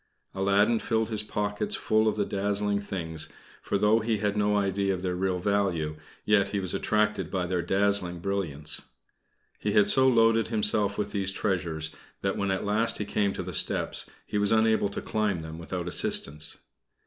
Aladdin filled his pockets full of the dazzling things, for though he had no idea of their real value, yet he was attracted by their dazzling brilliance. He had so loaded himself with these treasures that when at last he came to the steps he was unable to climb them without assistance.